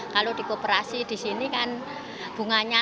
kalau di kooperasi di sini kan bunganya